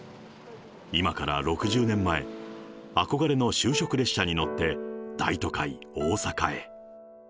今から６０年前、憧れの就職列車に乗って、大都会、大阪へ。